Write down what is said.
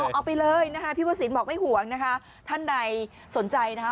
เอออยากออกไปเลยนะคะพี่ประสิทธิ์บอกไม่ห่วงนะคะถ้าในสนใจนะคะ